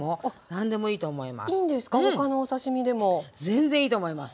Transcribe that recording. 全然いいと思います。